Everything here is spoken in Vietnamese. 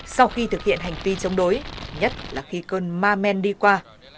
sau khi thực hiện hành vi chống đối nhất là khi cơn ma men đi qua